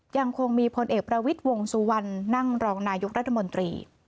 ยังคงมีพลเอกประวิทย์วงสุวรรณนั่งรองนายกรัฐมนตรี